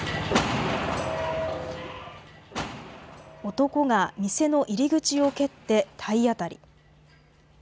男が店の入り口を蹴って体当たり。